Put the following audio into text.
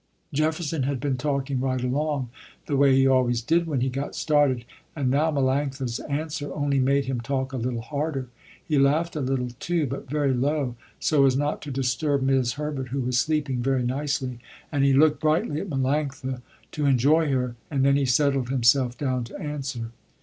Jefferson had been talking right along, the way he always did when he got started, and now Melanctha's answer only made him talk a little harder. He laughed a little, too, but very low, so as not to disturb 'Mis' Herbert who was sleeping very nicely, and he looked brightly at Melanctha to enjoy her, and then he settled himself down to answer.